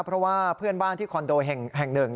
เพราะว่าเพื่อนบ้านที่คอนโดแห่งหนึ่ง